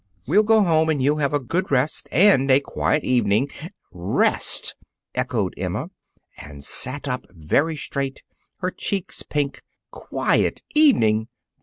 We'll go home, and you'll have a good rest, and a quiet evening " "Rest!" echoed Emma, and sat up very straight, her cheeks pink. "Quiet evening!